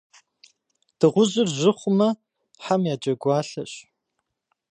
Дыгъужьыр жьы хъумэ, хьэм я джэгуалъэщ.